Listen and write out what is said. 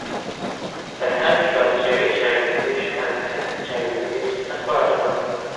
فەرھاد چوارچێوەی چاویلکەکەی شکاند کاتێک چاویلکەکەی خستە خوارەوە.